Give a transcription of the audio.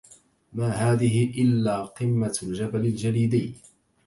ما هذه إلاّ قمة الجبل الجليدي.